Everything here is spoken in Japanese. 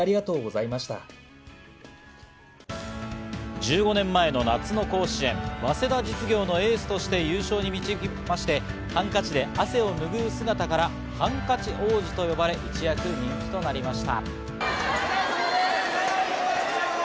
１５年前の夏の甲子園、早稲田実業のエースとして優勝に導きまして、ハンカチで汗を拭う姿からハンカチ王子と呼ばれ人気となりました。